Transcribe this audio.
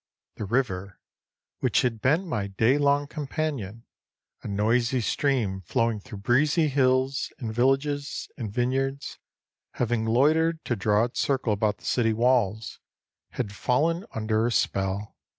The river, which had been my day long companion a noisy stream flowing through breezy hills, and villages, and vineyards having loitered to draw its circle about the city walls, had fallen under a spell.